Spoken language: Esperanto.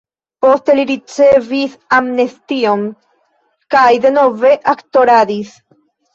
Poste li ricevis amnestion kaj denove aktoradis.